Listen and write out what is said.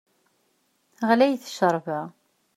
Ɣlayet ccerba!